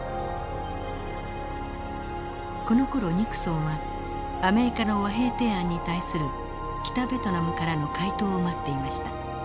このころニクソンはアメリカの和平提案に対する北ベトナムからの回答を待っていました。